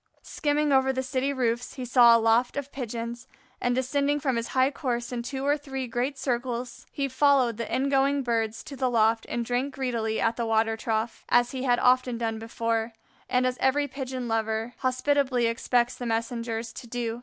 Skimming over the city roofs, he saw a loft of Pigeons, and descending from his high course in two or three great circles, he followed the ingoing Birds to the loft and drank greedily at the water trough, as he had often done before, and as every pigeon lover hospitably expects the messengers to do.